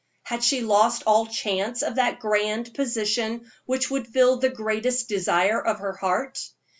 Had she lost all chance of this grand position which would fill the greatest desire of her heart?